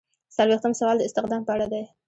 څلویښتم سوال د استخدام په اړه دی.